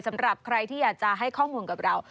สำหรับใครที่อยากจะให้ข้อมูลกับเรา